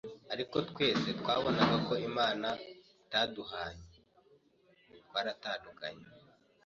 ariko twese twabonaga ko Imana itaduhanye. Twarakundanye,